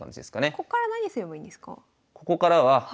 こっから何すればいいんですか？